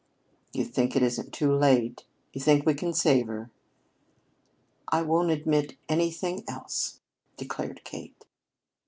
"You think it isn't too late? You think we can save her?" "I won't admit anything else," declared Kate.